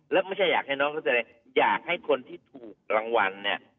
แล้วไม่ใช่อยากให้น้องเข้าใจอยากให้คนที่ถูกรางวัลเนี่ย